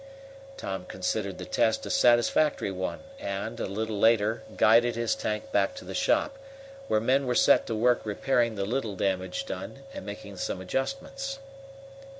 Tom considered the test a satisfactory one and, a little later, guided his tank back to the shop, where men were set to work repairing the little damage done and making some adjustments.